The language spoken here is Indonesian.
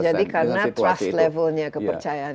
jadi karena trust levelnya kepercayaan ini